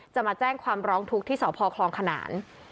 จะมาแจ้งความร้องทุกข์ที่สพคลองขนาน